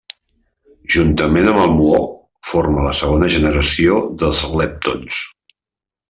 Juntament amb el muó, forma la segona generació dels leptons.